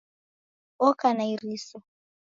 Oka na iriso